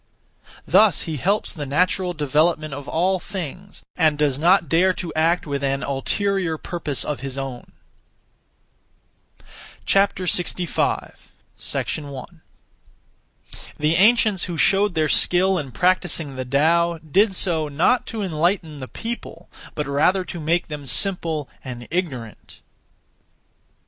Thus he helps the natural development of all things, and does not dare to act (with an ulterior purpose of his own). 65. 1. The ancients who showed their skill in practising the Tao did so, not to enlighten the people, but rather to make them simple and ignorant.